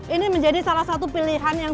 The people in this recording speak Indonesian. ini menjadi salah satu pilihan yang